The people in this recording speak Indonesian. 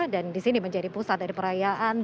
dan di sini menjadi pusat dari perayaan